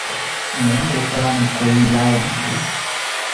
Ng wiin koofala na koowila ja?